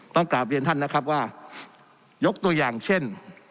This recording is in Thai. กลับเรียนท่านนะครับว่ายกตัวอย่างเช่น